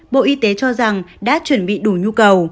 bộ y tế cho rằng đã chuẩn bị đủ nhu cầu